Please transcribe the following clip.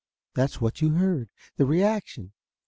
That's what you heard the reaction.